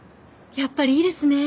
やっぱりいいですね。